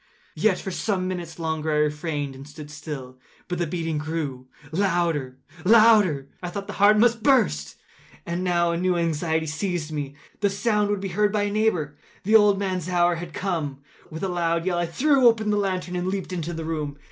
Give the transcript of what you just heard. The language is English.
Yet, for some minutes longer I refrained and stood still. But the beating grew louder, louder! I thought the heart must burst. And now a new anxiety seized me—the sound would be heard by a neighbour! The old man’s hour had come! With a loud yell, I threw open the lantern and leaped into the room.